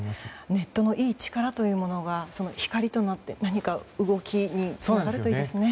ネットのいい力というものが光となって何か動きにつながるといいですね。